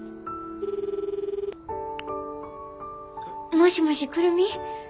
もしもし久留美？